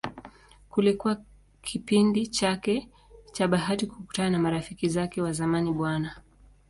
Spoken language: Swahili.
Kilikuwa kipindi chake cha bahati kukutana na marafiki zake wa zamani Bw.